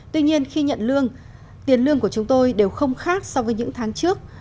tuy nhiên khi nhận lương tiền lương của chúng tôi đều không khác so với những tháng trước